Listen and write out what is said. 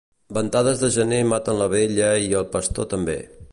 Ventades de gener maten la vella i el pastor també.